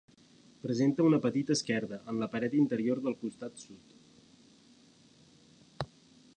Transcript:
Presenta una petita esquerda en la paret interior del costat sud.